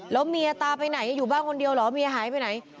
แล้วเมียตาไปไหนอยู่บ้านคนเดียวเหรอเมียหายไปไหน